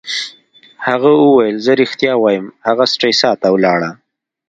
هغه وویل: زه ریښتیا وایم، هغه سټریسا ته ولاړه.